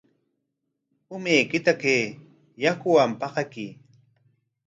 Umaykita kay yakuwan paqakuy.